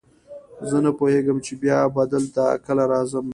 زه نه پوهېږم چې بیا به دلته کله راځم.